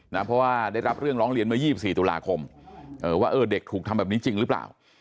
เพราะว่าได้รับเรื่องร้องเรียนเมื่อ๒๔ตุลาคมว่าเออเด็กถูกทำแบบนี้จริงหรือเปล่า